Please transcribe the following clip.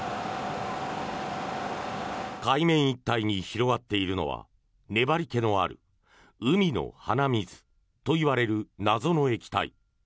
海面一帯に広がっているのは粘りけのある海の鼻水といわれる謎の液体。